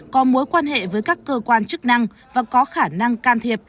có mối quan hệ với các cơ quan chức năng và có khả năng can thiệp